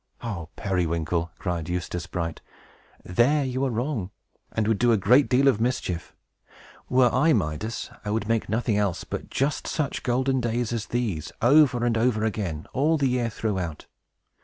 "O Periwinkle!" cried Eustace Bright, "there you are wrong, and would do a great deal of mischief. Were I Midas, I would make nothing else but just such golden days as these over and over again, all the year throughout.